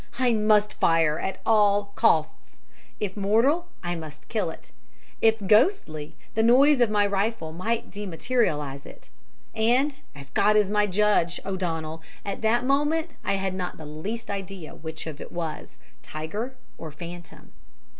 I must fire at all costs. If mortal, I must kill it, if ghostly, the noise of my rifle might dematerialize it. And, as God is my judge, O'Donnell, at that moment I had not the least idea which of it was tiger or phantom.